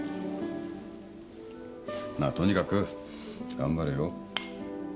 まあとにかく頑張れよ。